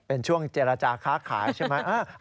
เป็นช่วงเจรจาค้าขายใช่ไหม